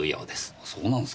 あそうなんすか。